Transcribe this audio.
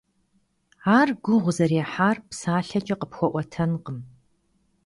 Ар гугъу зэрехьар псалъэкӀэ къыпхуэӀуэтэнукъым.